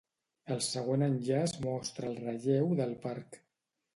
El següent enllaç mostra el relleu del parc.